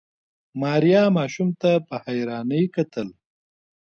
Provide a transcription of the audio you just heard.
ماريا ماشوم ته په حيرانۍ کتل.